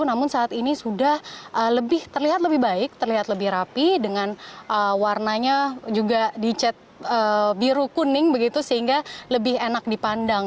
namun saat ini sudah terlihat lebih baik terlihat lebih rapi dengan warnanya juga dicet biru kuning begitu sehingga lebih enak dipandang